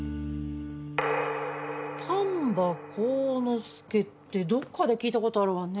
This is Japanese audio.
丹波幸之助ってどこかで聞いた事あるわね。